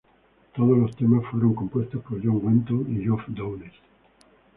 Todos los temas fueron compuestos por John Wetton y Geoff Downes.